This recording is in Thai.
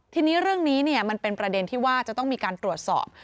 ทีนี้เรื่องนี้มันเป็นประเด็นที่ว่าจะต้องมีการตรวจสอบ